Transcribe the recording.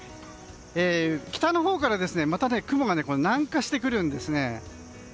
北のほうからまた雲が南下してくるんです。